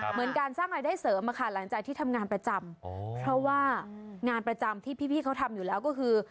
เหมือนการสร้างรายได้เสริมอะค่ะหลังจากที่ทำงานประจำอ๋อเพราะว่างานประจำที่พี่เขาทำอยู่แล้วก็คือ